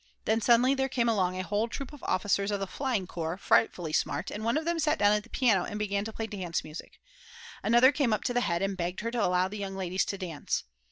Then suddenly there came along a whole troop of officers of the flying corps, frightfully smart, and one of them sat down at the piano and began to play dance music. Another came up to the head and begged her to allow the "young ladies" to dance.